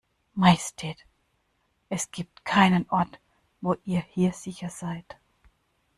Majestät, es gibt keinen Ort, wo ihr hier sicher seid.